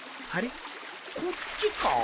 こっちか？